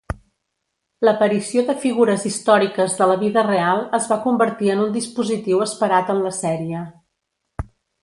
L'aparició de figures històriques de la vida real es va convertir en un dispositiu esperat en la sèrie.